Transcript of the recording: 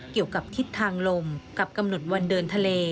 เกี่ยวกับทิศทางลมกับกำหนดวันเดินทะเล